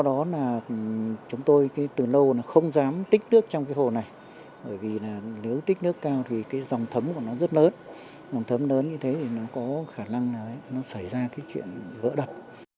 dòng thấm lớn như thế thì nó có khả năng là nó xảy ra cái chuyện vỡ đập